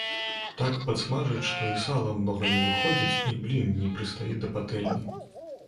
Так падсмажыць, што і сала многа не выходзіць і блін не прыстае да патэльні.